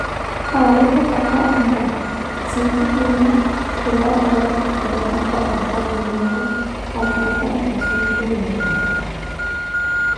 Aari otakha onrala, sinkhu kiina khulawa owattakhulana apapazawe yoori ataratari asuntu wooloola.